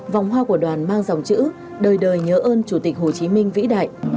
vòng hoa của đoàn mang dòng chữ đời đời nhớ ơn chủ tịch hồ chí minh vĩ đại